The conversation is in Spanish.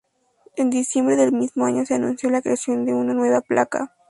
En diciembre del mismo año se anunció la creación de una nueva placa.